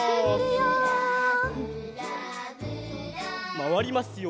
まわりますよ。